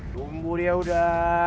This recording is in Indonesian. tunggu dia udah